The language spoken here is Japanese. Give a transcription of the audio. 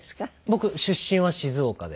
僕出身は静岡で。